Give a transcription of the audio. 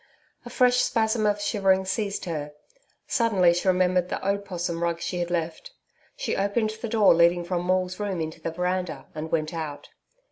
A fresh spasm of shivering seized her. Suddenly she remembered the opossum rug she had left. She opened the door leading from Maule's room into the veranda, and went out.